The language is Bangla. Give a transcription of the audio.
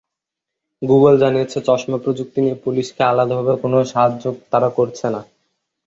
গুগল জানিয়েছে, চশমা প্রযুক্তি নিয়ে পুলিশকে আলাদাভাবে কোনো সাহায্য তারা করছে না।